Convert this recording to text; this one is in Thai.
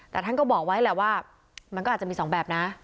แต่ท่านก็บอกไว้แหละว่ามันก็อาจจะมีสองแบบนะ